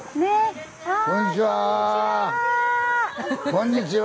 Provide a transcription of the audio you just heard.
こんにちは。